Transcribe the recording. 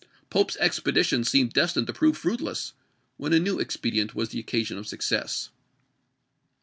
Pope's expedition seemed destined to prove fruitless, when a new expedient was the occasion of success.